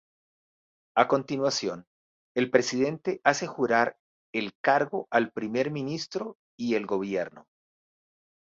A continuación, el Presidente hace jurar el cargo al Primer Ministro y el gobierno.